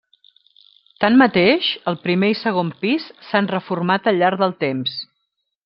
Tanmateix, el primer i segon pis, s'han reformat al llarg del temps.